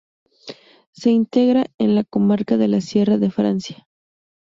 Se integra en la comarca de la Sierra de Francia.